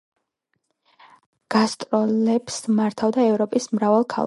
გასტროლებს მართავდა ევროპის მრავალ ქალაქში.